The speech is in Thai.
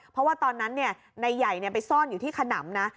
เพราะว่าตอนนั้นนายใหญ่ไปซ่อนอยู่ที่ขนำนะ